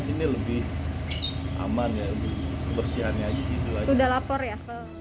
sudah lapor ya